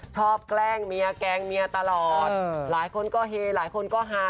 แกล้งเมียแกล้งเมียตลอดหลายคนก็เฮหลายคนก็ฮา